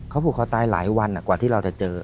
เขาผูกคอตายหลายวันกว่าที่เราจะเจอ